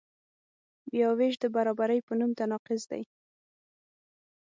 بیاوېش د برابرۍ په نوم تناقض دی.